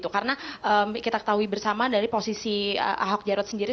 karena kita ketahui bersama dari posisi ahok jarot sendiri